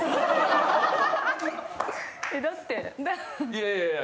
いやいやいや。